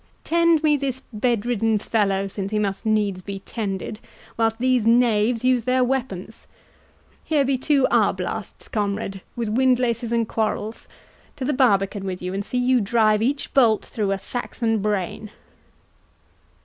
—tend me this bedridden fellow since he must needs be tended, whilst these knaves use their weapons.—Here be two arblasts, comrades, with windlaces and quarrells 34—to the barbican with you, and see you drive each bolt through a Saxon brain."